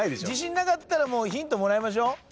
自信なかったらヒントもらいましょう。